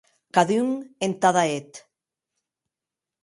Cadun entada eth.